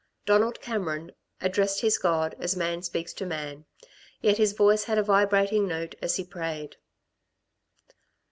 Donald Cameron addressed his God as man speaks to man; yet his voice had a vibrating note as he prayed.